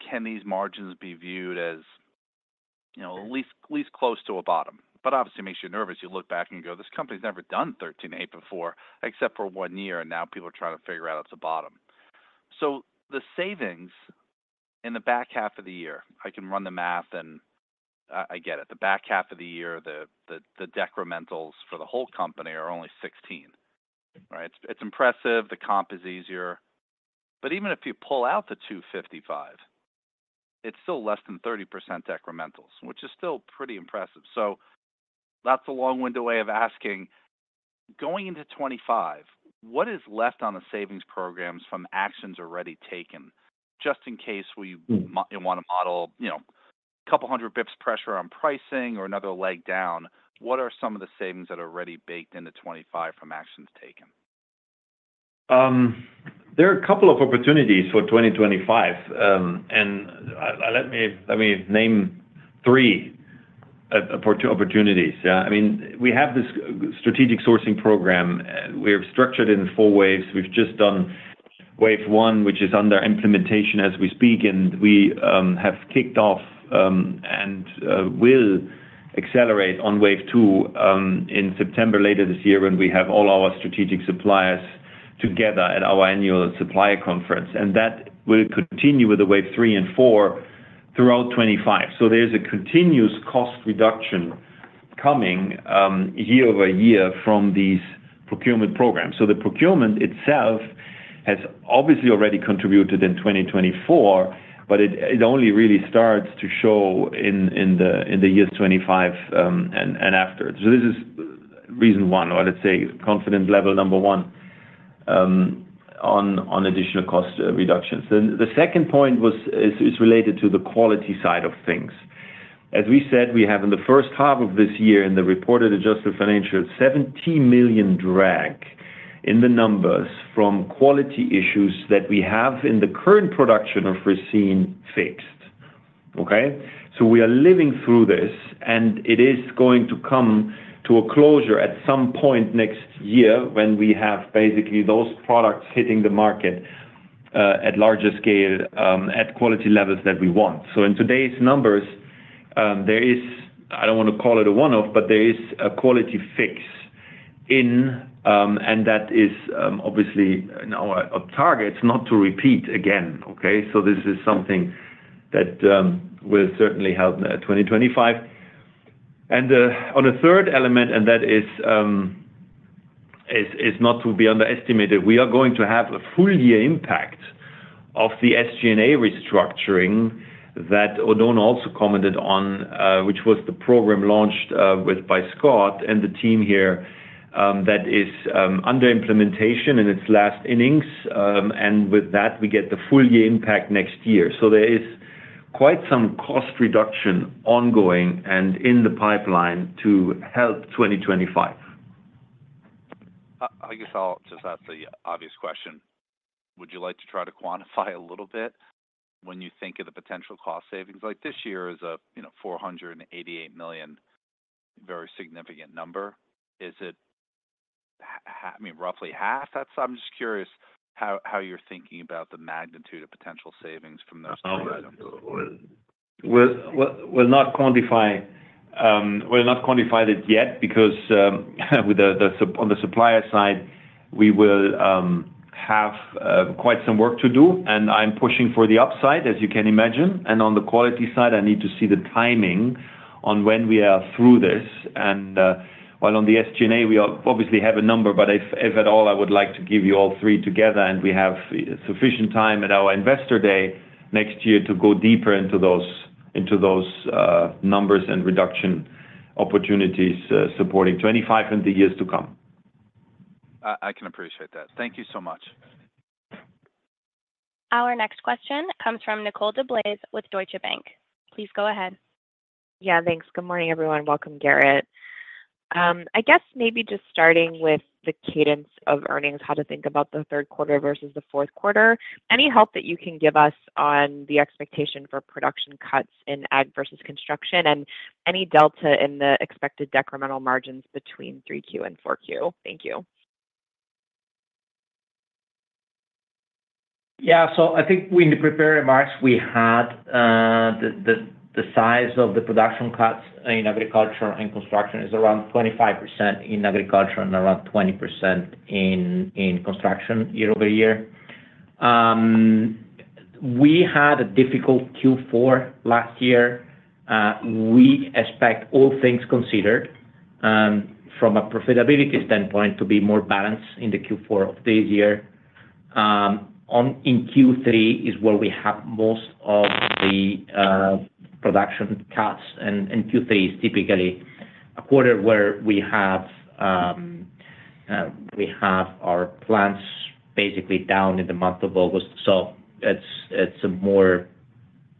[SPEAKER 11] can these margins be viewed as, you know, at least close to a bottom? But obviously, it makes you nervous. You look back and go, "This company's never done 13.8 before, except for one year," and now people are trying to figure out it's a bottom. So the savings in the back half of the year, I can run the math and I get it. The back half of the year, the decrementals for the whole company are only 16, right? It's impressive, the comp is easier. But even if you pull out the 255, it's still less than 30% decrementals, which is still pretty impressive. That's a long-winded way of asking, going into 2025, what is left on the savings programs from actions already taken? Just in case we-
[SPEAKER 3] Mm...
[SPEAKER 11] wanna model, you know, 200 basis points pressure on pricing or another leg down, what are some of the savings that are already baked into 2025 from actions taken?
[SPEAKER 3] There are a couple of opportunities for 2025, and let me name three for two opportunities. Yeah. I mean, we have this strategic sourcing program. We have structured it in four waves. We've just done wave one, which is under implementation as we speak, and we have kicked off and will accelerate on wave two in September, later this year, when we have all our strategic suppliers together at our annual supplier conference. And that will continue with wave three and four throughout 2025. So there's a continuous cost reduction coming year-over-year from these procurement programs. So the procurement itself has obviously already contributed in 2024, but it only really starts to show in the years 2025 and after. So this is reason 1, or let's say, confidence level number 1, on additional cost reductions. Then the second point was related to the quality side of things. As we said, we have in the first half of this year, in the reported adjusted financial, $70 million drag in the numbers from quality issues that we have in the current production of Racine fixed, okay? So we are living through this, and it is going to come to a closure at some point next year when we have basically those products hitting the market, at larger scale, at quality levels that we want. So in today's numbers, there is, I don't wanna call it a one-off, but there is a quality fix in... And that is, obviously now a target not to repeat again, okay? This is something that will certainly help 2025. And on a third element, that is not to be underestimated, we are going to have a full-year impact of the SG&A restructuring that Oddone also commented on, which was the program launched by Scott and the team here, that is under implementation in its last innings. And with that, we get the full-year impact next year. There is quite some cost reduction ongoing and in the pipeline to help 2025.
[SPEAKER 11] I guess I'll just ask the obvious question: Would you like to try to quantify a little bit when you think of the potential cost savings? Like this year is, you know, $488 million, very significant number. Is it ha-ha-- I mean, roughly half that? So I'm just curious how you're thinking about the magnitude of potential savings from those three items.
[SPEAKER 3] Well, we'll not quantify it yet because, with the on the supplier side, we will have quite some work to do, and I'm pushing for the upside, as you can imagine. And on the quality side, I need to see the timing on when we are through this. And while on the SG&A, we obviously have a number, but if at all, I would like to give you all three together, and we have sufficient time at our investor day next year to go deeper into those numbers and reduction opportunities supporting 25 and the years to come.
[SPEAKER 11] I can appreciate that. Thank you so much.
[SPEAKER 1] Our next question comes from Nicole DeBlase with Deutsche Bank. Please go ahead.
[SPEAKER 12] Yeah, thanks. Good morning, everyone. Welcome, Gerrit. I guess maybe just starting with the cadence of earnings, how to think about the third quarter versus the fourth quarter. Any help that you can give us on the expectation for production cuts in ag versus construction, and any delta in the expected decremental margins between three Q and four Q? Thank you....
[SPEAKER 4] Yeah, so I think in the prepared remarks, we had the size of the production cuts in agriculture and construction is around 25% in agriculture and around 20% in construction year-over-year. We had a difficult Q4 last year. We expect all things considered, from a profitability standpoint, to be more balanced in the Q4 of this year. In Q3 is where we have most of the production cuts, and Q3 is typically a quarter where we have our plants basically down in the month of August. So it's a more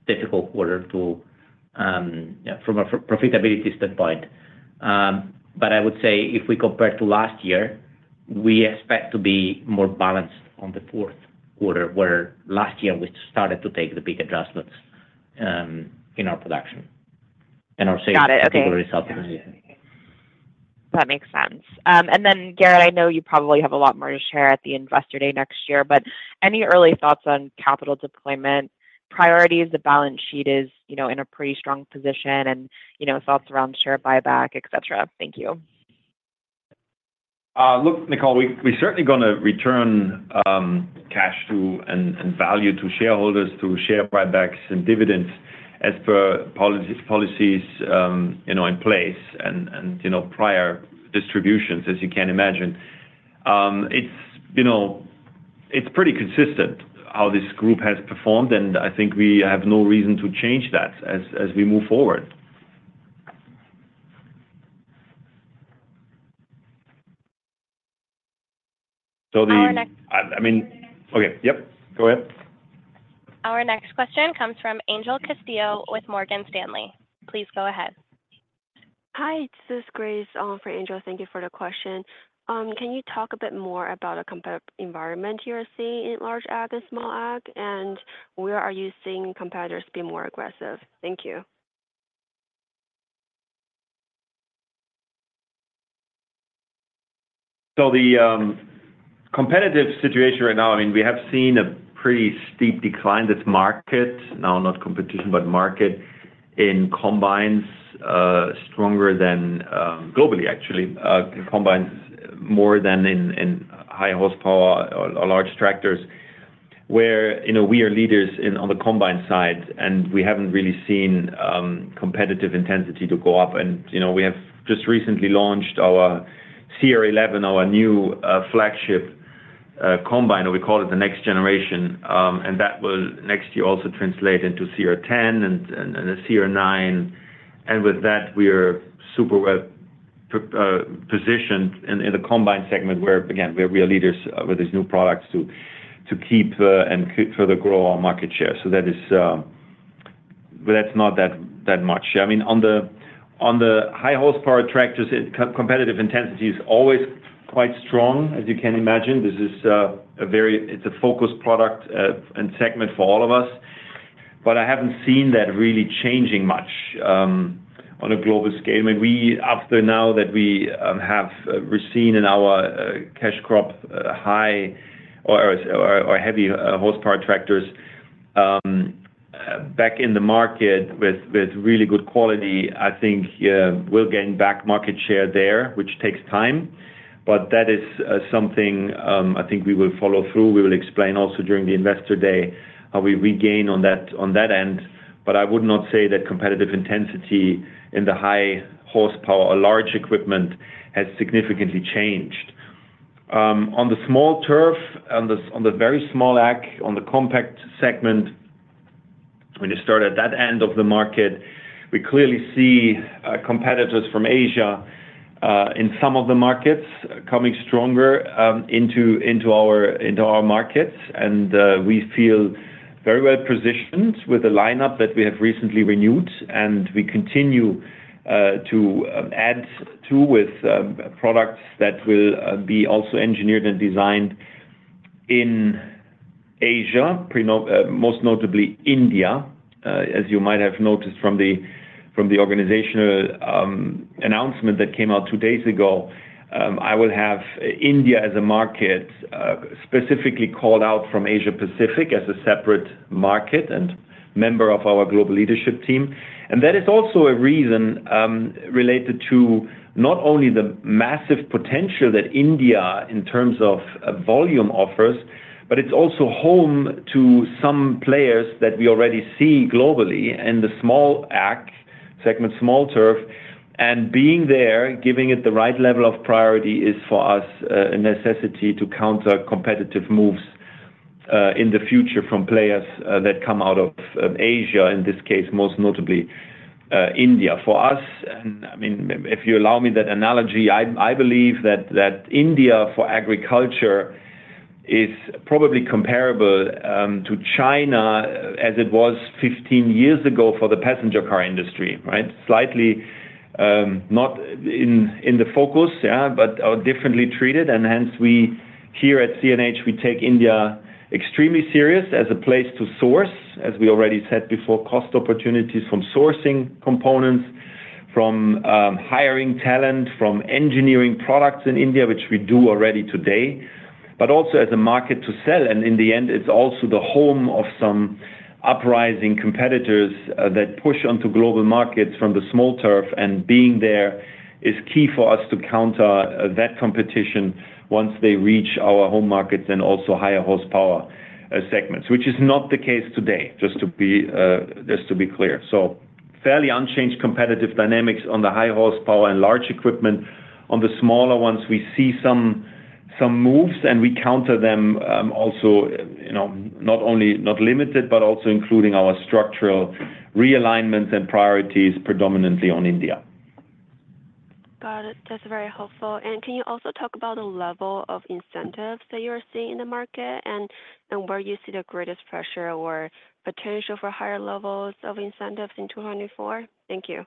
[SPEAKER 4] difficult quarter to, yeah, from a profitability standpoint. But I would say if we compare to last year, we expect to be more balanced on the fourth quarter, where last year we started to take the big adjustments in our production and our sales-
[SPEAKER 12] Got it. Okay.
[SPEAKER 4] -particular results.
[SPEAKER 12] That makes sense. And then, Gerrit, I know you probably have a lot more to share at the Investor Day next year, but any early thoughts on capital deployment priorities? The balance sheet is, you know, in a pretty strong position and, you know, thoughts around share buyback, et cetera. Thank you.
[SPEAKER 3] Look, Nicole, we're certainly gonna return cash to and value to shareholders through share buybacks and dividends as per policies you know in place and you know prior distributions, as you can imagine. You know, it's pretty consistent how this group has performed, and I think we have no reason to change that as we move forward. So the-
[SPEAKER 1] Our next-
[SPEAKER 3] I mean... Okay. Yep, go ahead.
[SPEAKER 1] Our next question comes from Angel Castillo with Morgan Stanley. Please go ahead.
[SPEAKER 13] Hi, this is Grace, for Angel. Thank you for the question. Can you talk a bit more about the competitive environment you're seeing in large ag and small ag, and where are you seeing competitors be more aggressive? Thank you.
[SPEAKER 3] So the competitive situation right now, I mean, we have seen a pretty steep decline this market, now, not competition, but market in combines, stronger than globally, actually, in combines more than in high horsepower or large tractors, where, you know, we are leaders in, on the combine side, and we haven't really seen competitive intensity to go up. And, you know, we have just recently launched our CR11, our new flagship combine, or we call it the next generation. And that will next year also translate into CR10 and the CR9. And with that, we are super well positioned in the combine segment, where, again, we are leaders with these new products to keep and further grow our market share. So that is, but that's not that much. I mean, on the high horsepower tractors, competitive intensity is always quite strong, as you can imagine. This is a very focused product and segment for all of us, but I haven't seen that really changing much on a global scale. I mean, after now that we have seen in our cash crop high or heavy horsepower tractors back in the market with really good quality, I think we'll gain back market share there, which takes time, but that is something I think we will follow through. We will explain also during the Investor Day how we regain on that end, but I would not say that competitive intensity in the high horsepower or large equipment has significantly changed. On the small turf, on the very small ag, on the compact segment, when you start at that end of the market, we clearly see competitors from Asia in some of the markets coming stronger into our markets. We feel very well positioned with the lineup that we have recently renewed, and we continue to add to with products that will be also engineered and designed in Asia, most notably India. As you might have noticed from the organizational announcement that came out two days ago, I will have India as a market specifically called out from Asia Pacific as a separate market and member of our global leadership team. And that is also a reason related to not only the massive potential that India in terms of volume offers, but it's also home to some players that we already see globally in the small ag segment, small turf. And being there, giving it the right level of priority is, for us, a necessity to counter competitive moves in the future from players that come out of Asia, in this case, most notably, India. For us, and I mean, if you allow me that analogy, I believe that India, for agriculture, is probably comparable to China as it was 15 years ago for the passenger car industry, right? Slightly not in the focus, yeah, but differently treated, and hence we here at CNH take India extremely serious as a place to source, as we already said before, cost opportunities from sourcing components from hiring talent, from engineering products in India, which we do already today, but also as a market to sell. And in the end, it's also the home of some uprising competitors that push onto global markets from the small ag, and being there is key for us to counter that competition once they reach our home markets and also higher horsepower segments. Which is not the case today, just to be clear. So fairly unchanged competitive dynamics on the high horsepower and large equipment. On the smaller ones, we see some moves, and we counter them, also, you know, not only not limited, but also including our structural realignments and priorities, predominantly on India.
[SPEAKER 13] Got it. That's very helpful. Can you also talk about the level of incentives that you are seeing in the market, and where you see the greatest pressure or potential for higher levels of incentives in 2024? Thank you.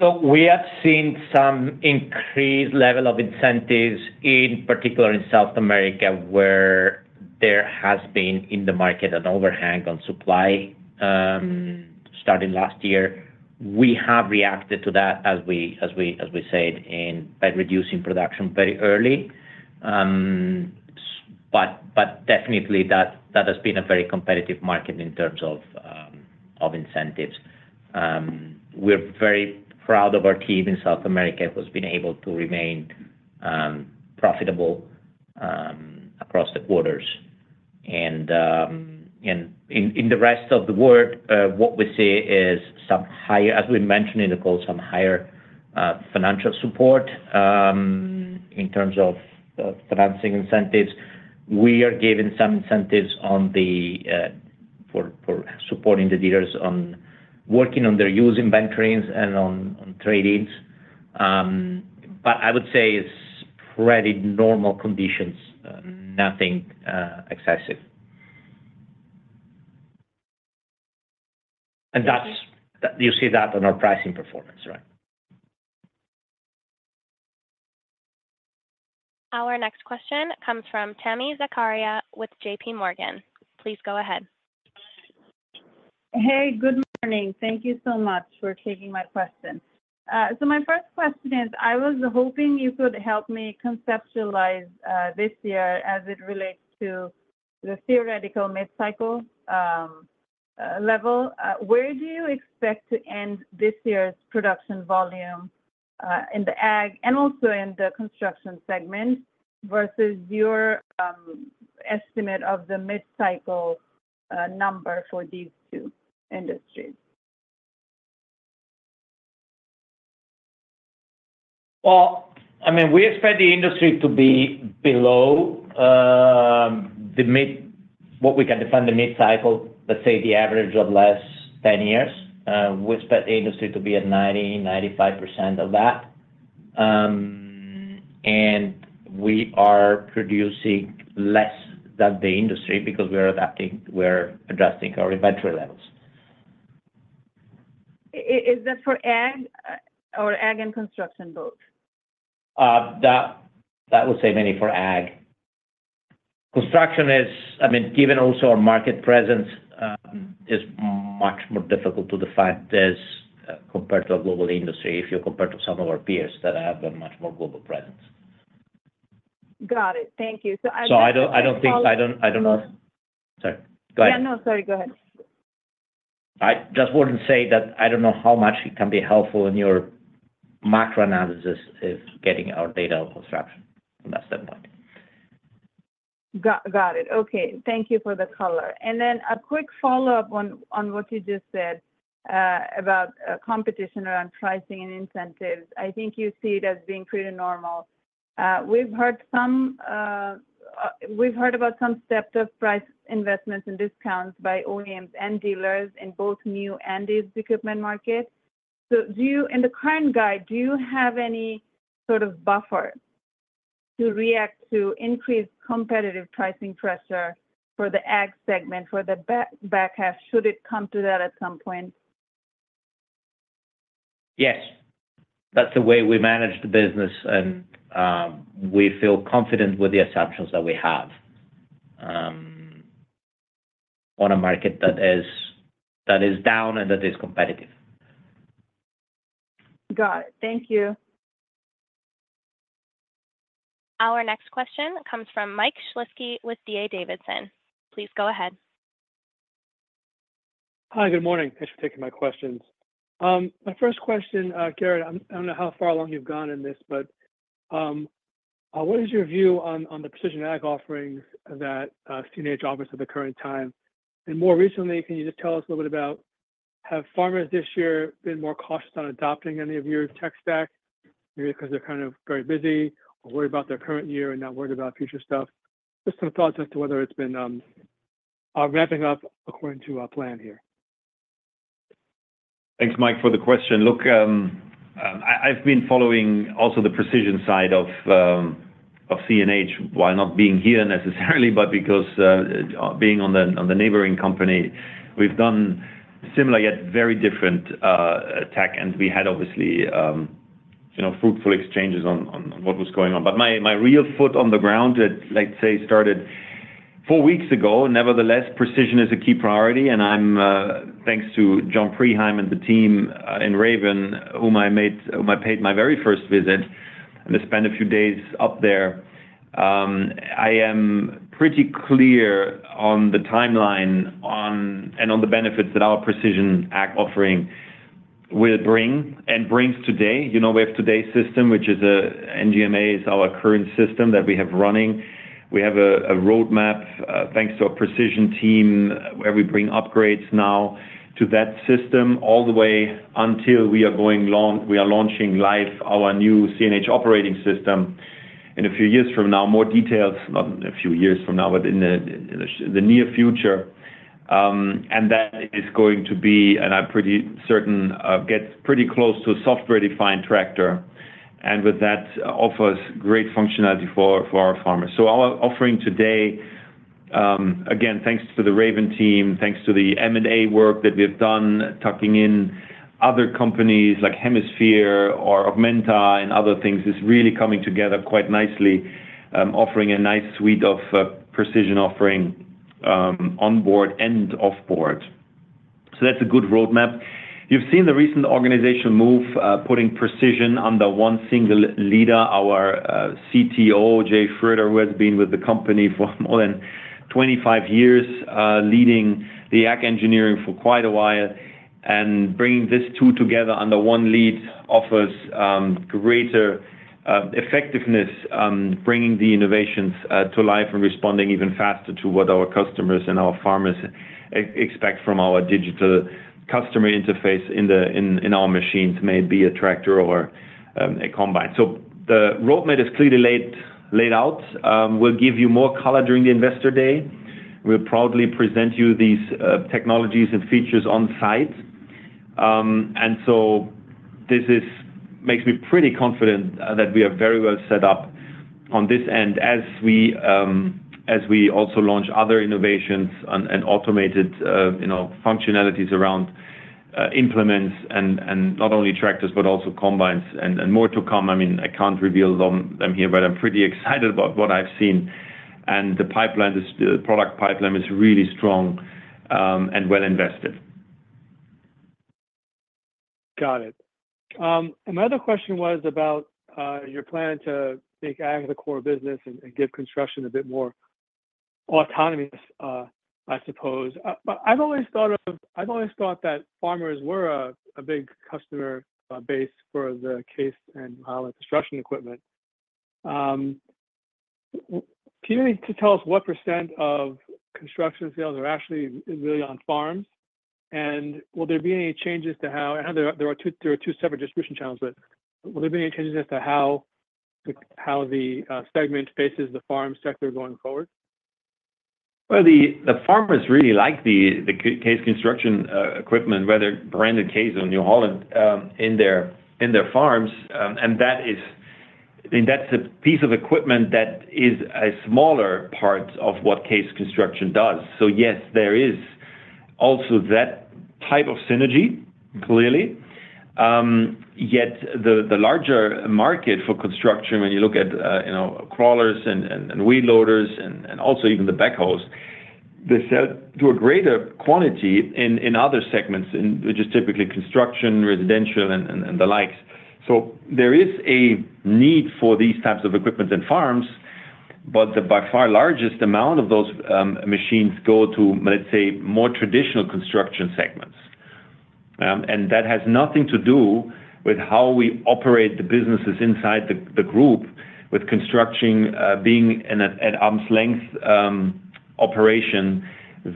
[SPEAKER 4] So we have seen some increased level of incentives, in particular in South America, where there has been, in the market, an overhang on supply, starting last year. We have reacted to that as we said, by reducing production very early. But definitely that has been a very competitive market in terms of incentives. We're very proud of our team in South America, who's been able to remain profitable across the quarters. And in the rest of the world, what we see is some higher, as we mentioned in the call, some higher financial support in terms of financing incentives. We are giving some incentives for supporting the dealers on working on their used inventory and on trade-ins. But I would say it's pretty normal conditions, nothing excessive. And that's-
[SPEAKER 13] [Thank you.
[SPEAKER 4] You see that on our pricing performance, right?
[SPEAKER 1] Our next question comes from Tami Zakaria with J.P. Morgan. Please go ahead.
[SPEAKER 14] Hey, good morning. Thank you so much for taking my question. So my first question is, I was hoping you could help me conceptualize this year as it relates to the theoretical mid-cycle level. Where do you expect to end this year's production volume in the Ag and also in the Construction segment, versus your estimate of the mid-cycle number for these two industries?
[SPEAKER 4] Well, I mean, we expect the industry to be below the mid-cycle, what we can define the mid-cycle, let's say, the average of last 10 years. We expect the industry to be at 90%-95% of that. And we are producing less than the industry because we're adapting, we're adjusting our inventory levels.
[SPEAKER 14] Is that for ag, or ag and construction both?
[SPEAKER 4] That would say mainly for ag. Construction is, I mean, given also our market presence, is much more difficult to define this, compared to a global industry, if you compare to some of our peers that have a much more global presence.
[SPEAKER 14] Got it. Thank you. So I just-
[SPEAKER 4] So I don't think. I don't know. Sorry. Go ahead.
[SPEAKER 14] Yeah, no, sorry. Go ahead.
[SPEAKER 4] I just wouldn't say that I don't know how much it can be helpful in your macro analysis is getting our data on construction from that standpoint.
[SPEAKER 14] Got it. Okay. Thank you for the color. And then a quick follow-up on what you just said about competition around pricing and incentives. I think you see it as being pretty normal. We've heard about some stepped-up price investments and discounts by OEMs and dealers in both new and used equipment markets. So do you... In the current guide, do you have any sort of buffer to react to increased competitive pricing pressure for the ag segment, for the back half, should it come to that at some point?
[SPEAKER 4] Yes. That's the way we manage the business, and we feel confident with the assumptions that we have on a market that is down and that is competitive.
[SPEAKER 14] Got it. Thank you.
[SPEAKER 1] Our next question comes from Mike Shlisky with D.A. Davidson. Please go ahead.
[SPEAKER 15] Hi, good morning. Thanks for taking my questions. My first question, Gerrit, I'm – I don't know how far along you've gone in this, but, what is your view on, on the precision ag offerings that, CNH offers at the current time? And more recently, can you just tell us a little bit about, have farmers this year been more cautious on adopting any of your tech stack? Maybe because they're kind of very busy or worried about their current year and not worried about future stuff. Just some thoughts as to whether it's been, ramping up according to our plan here.
[SPEAKER 3] Thanks, Mike, for the question. Look, I, I've been following also the precision side of, of CNH while not being here necessarily, but because, being on the, on the neighboring company, we've done similar yet very different, tech. And we had obviously, you know, fruitful exchanges on, on, on what was going on. But my, my real foot on the ground, it, let's say, started four weeks ago. Nevertheless, precision is a key priority, and I'm, thanks to John Preheim and the team, in Raven, whom I paid my very first visit, and I spent a few days up there. I am pretty clear on the timeline on, and on the benefits that our precision ag offering will bring and brings today. You know, we have today's system, which is NGMA, our current system that we have running. We have a roadmap, thanks to our precision team, where we bring upgrades now to that system, all the way until we are launching live our new CNH operating system in a few years from now. More details, not a few years from now, but in the near future. And that is going to be, and I'm pretty certain, gets pretty close to a software-defined tractor, and with that, offers great functionality for our farmers. So our offering today, again, thanks to the Raven team, thanks to the M&A work that we've done, tucking in other companies like Hemisphere or Augmenta and other things, is really coming together quite nicely, offering a nice suite of precision offering, on board and off board. So that's a good roadmap. You've seen the recent organizational move, putting precision under one single leader, our CTO, Jay Schroeder, who has been with the company for more than 25 years, leading the ag engineering for quite a while, and bringing these two together under one lead offers greater effectiveness on bringing the innovations to life and responding even faster to what our customers and our farmers expect from our digital customer interface in our machines, may it be a tractor or a combine. So the roadmap is clearly laid, laid out. We'll give you more color during the Investor Day. We'll proudly present you these technologies and features on site. And so this makes me pretty confident that we are very well set up on this end as we as we also launch other innovations and and automated you know functionalities around implements and not only tractors, but also combines and more to come. I mean, I can't reveal them them here, but I'm pretty excited about what I've seen. And the pipeline is, the product pipeline is really strong and well invested.
[SPEAKER 15] Got it. My other question was about your plan to make ag the core business and give construction a bit more autonomous, I suppose. But I've always thought of—I've always thought that farmers were a big customer base for the Case and construction equipment. Can you tell us what % of construction sales are actually really on farms? And will there be any changes to how? I know there are two separate distribution channels, but will there be any changes as to how the segment faces the farm sector going forward?
[SPEAKER 3] Well, the farmers really like the Case construction equipment, whether branded Case or New Holland, in their farms. And that's a piece of equipment that is a smaller part of what Case Construction does. So yes, there is also that type of synergy, clearly. Yet the larger market for construction, when you look at, you know, crawlers and wheel loaders and also even the backhoes, they sell to a greater quantity in other segments, which is typically construction, residential, and the likes. So there is a need for these types of equipment in farms, but the by far largest amount of those machines go to, let's say, more traditional construction segments. And that has nothing to do with how we operate the businesses inside the group, with construction being an arm's length operation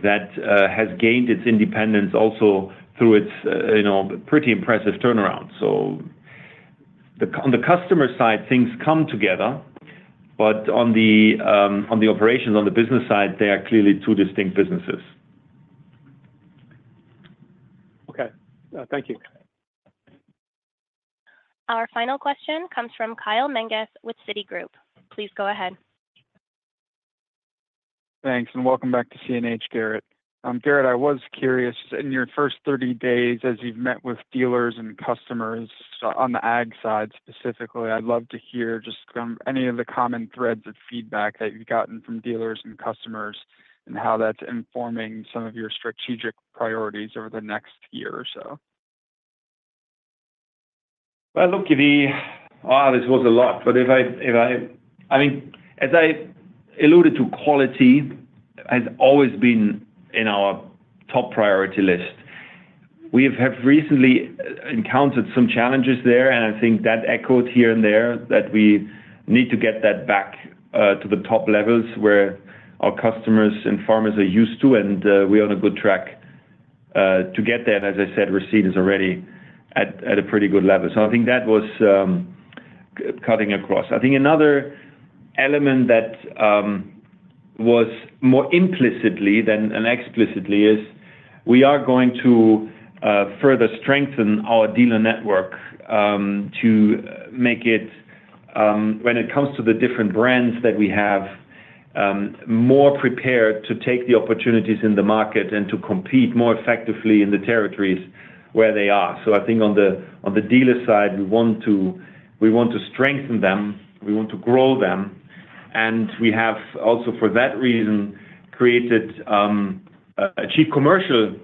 [SPEAKER 3] that has gained its independence also through its you know pretty impressive turnaround. So on the customer side, things come together, but on the operations, on the business side, they are clearly two distinct businesses.
[SPEAKER 15] Okay. Thank you.
[SPEAKER 1] Our final question comes from Kyle Menges with Citigroup. Please go ahead.
[SPEAKER 16] Thanks, and welcome back to CNH, Gerrit. Gerrit, I was curious, in your first 30 days as you've met with dealers and customers, so on the ag side specifically, I'd love to hear just from any of the common threads of feedback that you've gotten from dealers and customers, and how that's informing some of your strategic priorities over the next year or so.
[SPEAKER 3] Well, look, this was a lot, but if I—I mean, as I alluded to, quality has always been in our top priority list. We have recently encountered some challenges there, and I think that echoed here and there, that we need to get that back to the top levels where our customers and farmers are used to, and we're on a good track to get there. And as I said, reception is already at a pretty good level. So I think that was cutting across. I think another element that was more implicitly than explicitly is we are going to further strengthen our dealer network to make it, when it comes to the different brands that we have-... More prepared to take the opportunities in the market and to compete more effectively in the territories where they are. So I think on the dealer side, we want to strengthen them, we want to grow them. And we have also, for that reason, created a Chief Commercial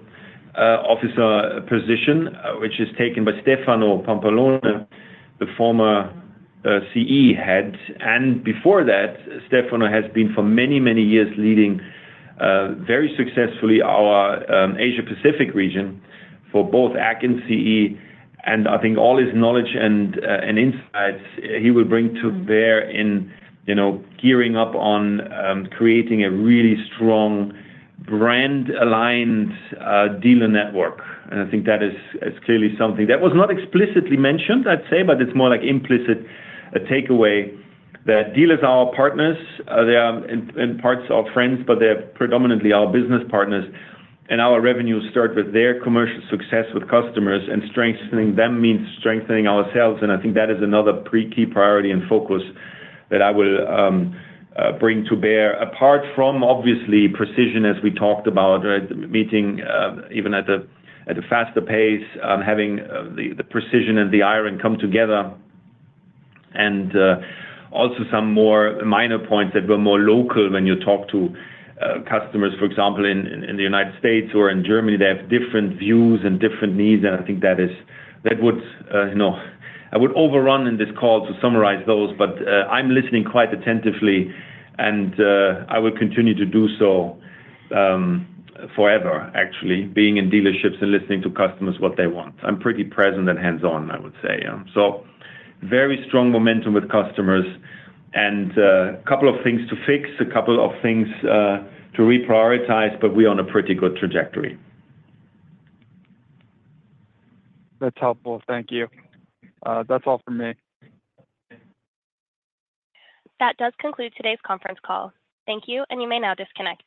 [SPEAKER 3] Officer position, which is taken by Stefano Pampalone, the former CE head. And before that, Stefano has been for many, many years, leading very successfully our Asia Pacific region for both Ag and CE. And I think all his knowledge and insights he will bring to bear in, you know, gearing up on creating a really strong brand-aligned dealer network. I think that is clearly something that was not explicitly mentioned, I'd say, but it's more like implicit, a takeaway, that dealers are our partners. They are, in parts, our friends, but they're predominantly our business partners. Our revenues start with their commercial success with customers, and strengthening them means strengthening ourselves. I think that is another pretty key priority and focus that I will bring to bear, apart from obviously, precision, as we talked about, right? Meeting even at a faster pace, having the precision and the iron come together. Also some more minor points that were more local when you talk to customers, for example, in the United States or in Germany, they have different views and different needs, and I think that would, you know... I would overrun in this call to summarize those, but I'm listening quite attentively, and I will continue to do so forever, actually, being in dealerships and listening to customers what they want. I'm pretty present and hands-on, I would say, so very strong momentum with customers and a couple of things to fix, a couple of things to reprioritize, but we're on a pretty good trajectory.
[SPEAKER 16] That's helpful. Thank you. That's all from me.
[SPEAKER 1] That does conclude today's conference call. Thank you, and you may now disconnect.